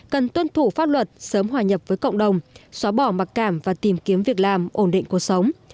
cần tuân thủ pháp luật sớm hòa nhập với cộng đồng xóa bỏ mặc cảm và tìm kiếm việc làm ổn định cuộc sống